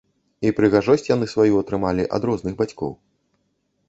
І прыгажосць яны сваю атрымалі ад розных бацькоў.